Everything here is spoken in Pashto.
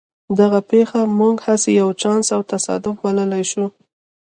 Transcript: دغه پېښه موږ هسې یو چانس او تصادف بللای شو